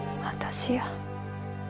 私や。